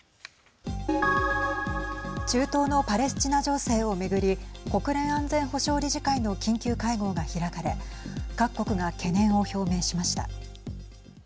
中東のパレスチナ情勢を巡り国連安全保障理事会の緊急会合が開かれ各国が懸念を表明しました。